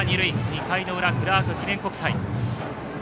２回の裏、クラーク記念国際。